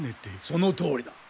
そのとおりだ。